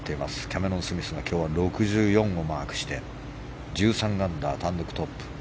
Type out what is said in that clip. キャメロン・スミスが今日は６４をマークして１３アンダー、単独トップ。